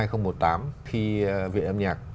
khi vệ âm nhạc